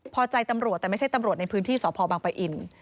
พอใจตำรวจแต่ไม่ใช่ตำรวจในพื้นที่สพบังปะอิน